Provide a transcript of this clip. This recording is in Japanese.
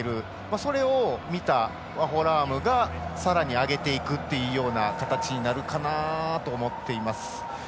それを見た、ワホラームがさらに上げていくという形になるかなと思っています。